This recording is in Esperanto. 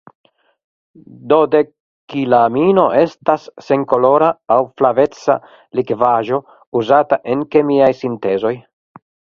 Dodekilamino estas senkolora aŭ flaveca likvaĵo uzata en kemiaj sintezoj.